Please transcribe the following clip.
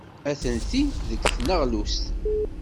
Atenti deg tneɣlust.